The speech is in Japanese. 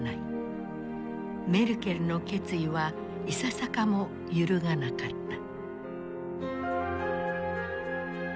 メルケルの決意はいささかも揺るがなかった。